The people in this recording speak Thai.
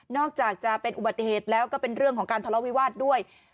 อกจากจะเป็นอุบัติเหตุแล้วก็เป็นเรื่องของการทะเลาวิวาสด้วย